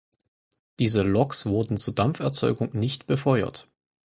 Diese Loks wurden zur Dampferzeugung nicht befeuert.